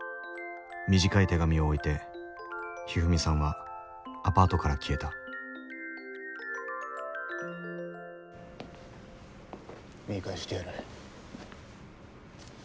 短い手紙を置いてひふみさんはアパートから消えた見返してやる。